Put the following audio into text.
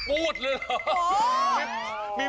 พูดเลยเหรอ